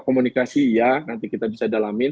komunikasi ya nanti kita bisa dalamin